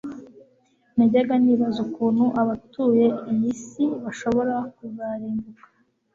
najyaga nibaza ukuntu abatuye iyi si bashobora kuzarimbuka